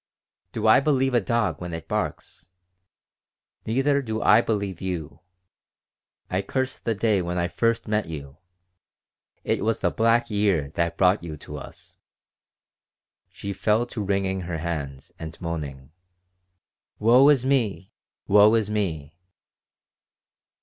"Do I believe a dog when it barks? Neither do I believe you. I curse the day when I first met you. It was the black year that brought you to us." She fell to wringing her hands and moaning: "Woe is me! Woe is me!"